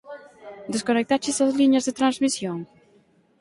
Desconectaches as liñas de transmisión?